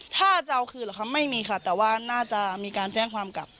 ถ้าจะเอาคืนเหรอคะไม่มีค่ะแต่ว่าน่าจะมีการแจ้งความกลับ